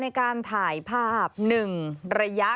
จะยิ้มแย้งจะสั่นพอร่างกายแกไม่ต้องปรับสภาพอะไร